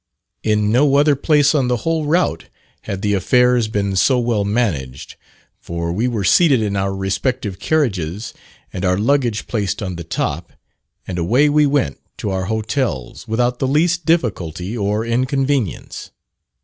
In no other place on the whole route had the affairs been so well managed; for we were seated in our respective carriages and our luggage placed on the top, and away we went to our hotels without the least difficulty or inconvenience.